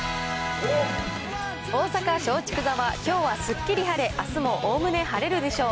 大阪松竹座は、きょうはすっきり晴れ、あすもおおむね晴れるでしょう。